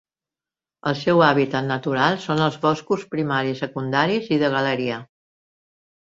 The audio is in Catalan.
El seu hàbitat natural són els boscos primaris, secundaris i de galeria.